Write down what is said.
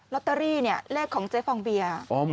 ตเตอรี่เนี่ยเลขของเจ๊ฟองเบียร์